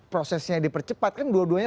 prosesnya dipercepat kan dua duanya